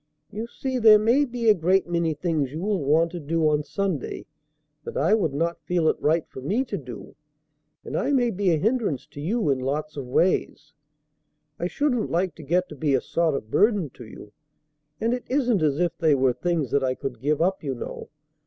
You see there may be a great many things you will want to do on Sunday that I would not feel it right for me to do, and I may be a hindrance to you in lots of ways. I shouldn't like to get to be a sort of burden to you, and it isn't as if they were things that I could give up, you know.